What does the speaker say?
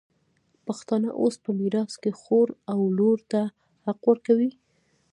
پښتانه اوس په میراث کي خور او لور ته حق ورکوي.